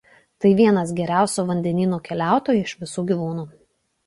Tai vienas geriausių vandenynų keliautojų iš visų gyvūnų.